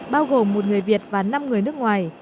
bao gồm một người việt và năm người nước ngoài